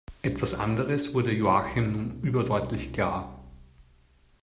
Etwas anderes wurde Joachim nun überdeutlich klar.